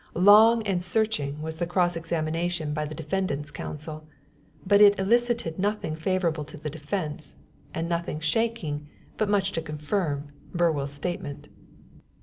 Long and searching was the cross examination by the defendant's counsel; but it elicited nothing favorable to the defense, and nothing shaking, but much to confirm, Burwell's statement.